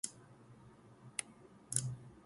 我們的健保還撐得下去嗎